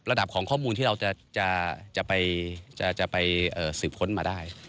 ของข้อมูลที่เราจะไปสืบค้นมาได้